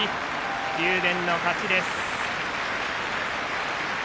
竜電の勝ちです。